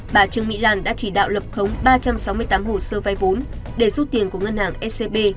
bà trương mỹ lan đã chỉ đạo lập khống ba trăm sáu mươi tám hồ sơ vai vốn để rút tiền của ngân hàng scb